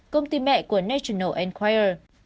công ty mẹ của national enquirer